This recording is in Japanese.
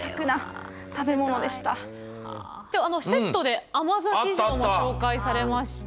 セットで甘崎城も紹介されました。